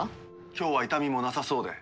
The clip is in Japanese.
今日は痛みもなさそうで。